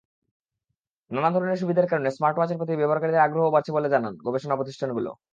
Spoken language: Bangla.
নানা ধরনের সুবিধার কারণে স্মার্টওয়াচের প্রতি ব্যবহারকারীদের আগ্রহও বাড়ছে বলে জানিয়েছে গবেষণাপ্রতিষ্ঠানগুলো।